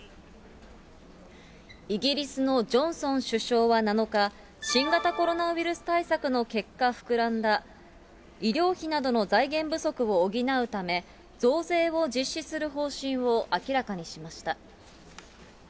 イギリスのジョンソン首相は７日、新型コロナウイルスの対策の結果膨らんだ医療費などの財源不足を補うため、増税を実施する方針を明らかにしました。